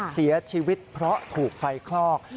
เสียชีวิตเพราะถูกไฟคลอก